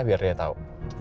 biar dia tau